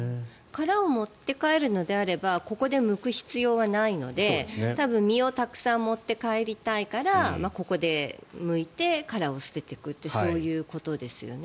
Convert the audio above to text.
殻を持って帰るのであればここでむく必要はないので多分、身をたくさん持って帰りたいからここでむいて、殻を捨てていくとそういうことですよね。